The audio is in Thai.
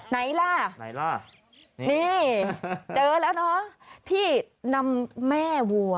ไหนล่ะไหนล่ะนี่เจอแล้วเนอะที่นำแม่วัว